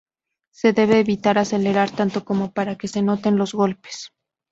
Se debe evitar acelerar tanto como para que se noten los golpes.